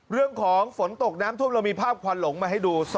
เรื่องของฝนตกน้ำท่วมเรามีภาพควันหลงมาให้ดู